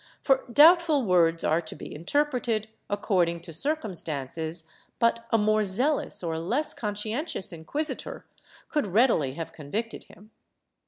VII] RULES OF PROCEDUBE 143 doubtful words are to be interpreted according to circumstances, but a more zealous or less conscientious inquisitor could readily have convicted him.